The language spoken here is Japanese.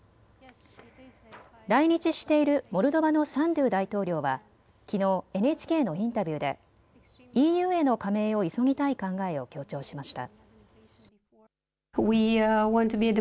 来日しているモルドバのサンドゥ大統領はきのう、ＮＨＫのインタビューでＥＵへの加盟を急ぎたい考えを強調しました。